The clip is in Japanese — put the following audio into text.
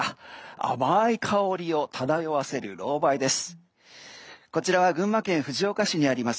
甘い香りを漂わせるロウバイです。